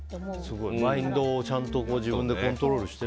すごい。マインドをちゃんとご自分でコントロールしてる。